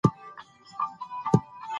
موږ باید خپل رول ولوبوو.